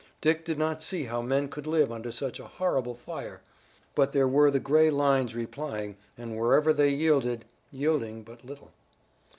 Dick did not see how men could live under such a horrible fire, but there were the gray lines replying, and wherever they yielded, yielding but little.